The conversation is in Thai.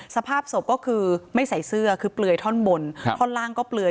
สภาพศพก็คือไม่ใส่เสื้อคือเปลือยท่อนบนท่อนล่างก็เปลือย